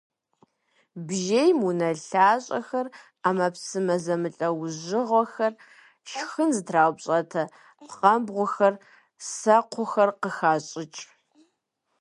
Бжейм унэлъащӏэхэр, ӏэмэпсымэ зэмылӏэужьыгъуэхэр, шхын зытраупщӏатэ пхъэбгъухэр, сэкъухэр къыхащӏыкӏ.